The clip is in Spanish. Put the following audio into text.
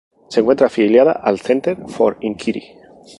Se encuentra afiliada al "Center for Inquiry".